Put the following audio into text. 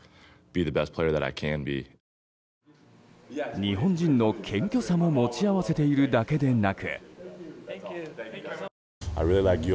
日本人の謙虚さも持ち合わせているだけでなく。